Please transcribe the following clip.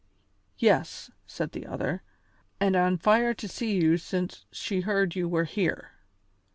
"Yes," said the other, "and on fire to see you since she heard you were here."